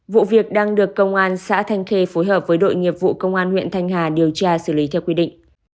vụ việc đang được công an xã thanh khê phối hợp với đội nghiệp vụ công an huyện thanh hà điều tra xử lý theo quy định